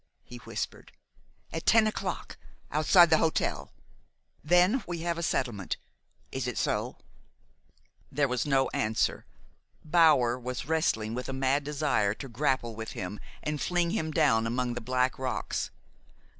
he whispered. "At ten o'clock outside the hotel. Then we have a settlement. Is it so?" There was no answer. Bower was wrestling with a mad desire to grapple with him and fling him down among the black rocks.